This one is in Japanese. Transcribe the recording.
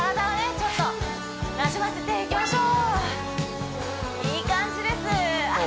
ちょっとなじませていきましょういい感じですあっ